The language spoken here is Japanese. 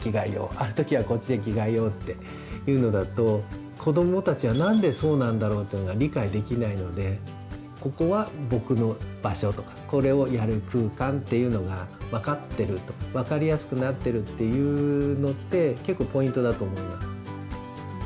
「ある時はこっちで着替えよう」っていうのだと子どもたちは「なんでそうなんだろう？」っていうのが理解できないので「ここは僕の場所」とか「これをやる空間」っていうのが分かってると分かりやすくなってるっていうのって結構ポイントだと思います。